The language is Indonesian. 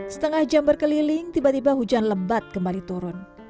setengah jam berkeliling tiba tiba hujan lembat kembali turun